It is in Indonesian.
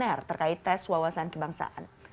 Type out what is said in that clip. peraturan komisioner terkait tes wawasan kebangsaan